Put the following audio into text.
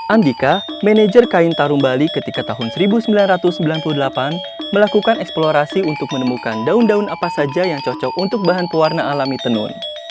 andika manajer kain tarum bali ketika tahun seribu sembilan ratus sembilan puluh delapan melakukan eksplorasi untuk menemukan daun daun apa saja yang cocok untuk bahan pewarna alami tenun